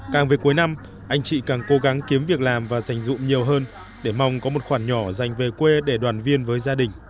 càng về cuối năm anh chị càng cố gắng kiếm việc làm và dành dụng nhiều hơn để mong có một khoản nhỏ dành về quê để đoàn viên với gia đình